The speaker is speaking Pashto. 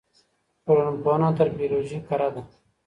ټولنپوهنه تر بیولوژي کره ده.